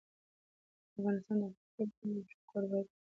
افغانستان د خپلو ټولو کلیو یو ښه کوربه دی.